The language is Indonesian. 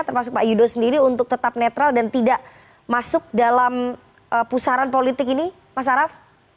termasuk pak yudho sendiri untuk tetap netral dan tidak masuk dalam pusaran politik ini mas araf